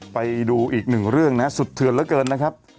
ไปดูอีกหนึ่งเรื่องนะครับสุดเถื่อนแล้วเกินนะครับ